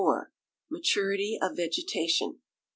Maturity of Vegetation.